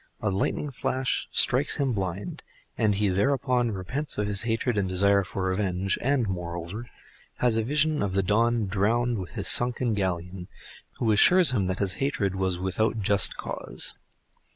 A lightning flash strikes him blind, and he thereupon repents him of his hatred and desire of revenge, and, moreover, has a vision of the Don drowned with his sunken galleon, who assures him that his hatred was without just cause.